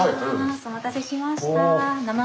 お待たせしました。